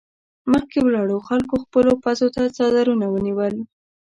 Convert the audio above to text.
مخکې ولاړو خلکو خپلو پزو ته څادرونه ونيول.